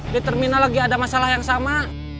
di terminal lagi ada masalah yang sama